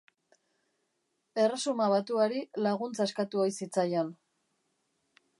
Erresuma Batuari laguntza eskatu ohi zitzaion.